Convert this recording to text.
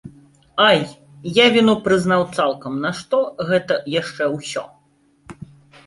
Ай, я віну прызнаў цалкам, нашто гэта яшчэ ўсё?